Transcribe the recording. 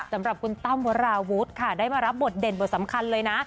สำหรับคุณตั้มวราวุฒิค่ะได้มารับบทเด่นบทสำคัญเลยนะ